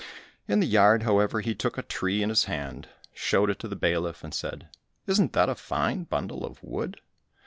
In the yard, however, he took a tree in his hand, showed it to the bailiff, and said, "Isn't that a fine bundle of wood?"